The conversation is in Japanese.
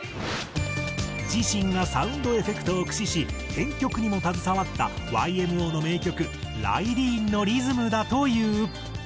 自身がサウンドエフェクトを駆使し編曲にも携わったＹＭＯの名曲『ＲＹＤＥＥＮ』のリズムだという。